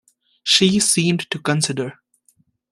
She seemed to consider.